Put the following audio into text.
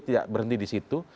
tidak berhenti di situ